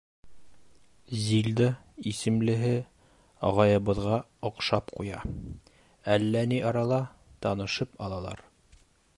Зильда исемлеһе ағайыбыҙға оҡшап ҡуя, әллә ни арала танышып алалар.